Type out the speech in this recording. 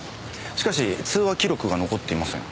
しかし通話記録が残っていません。